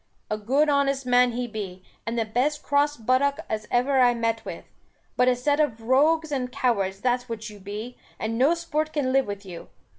A good honest man he be, and the best cross buttock as ever I met with; but a set of rogues and cowards that's what you be; and no sport can live with you.